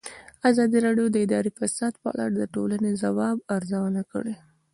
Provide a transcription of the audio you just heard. ازادي راډیو د اداري فساد په اړه د ټولنې د ځواب ارزونه کړې.